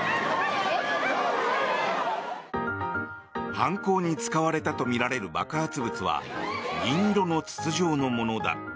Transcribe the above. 犯行に使われたとみられる爆発物は銀色の筒状のものだ。